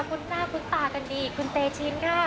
คุ้นหน้าคุ้นตากันดีคุณเตชินค่ะ